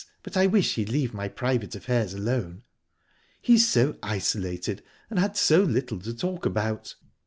But I wish he'd leave my private affairs alone." "He's so isolated, and had so little to talk about."